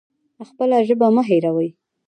خپله ژبه مه هیروئ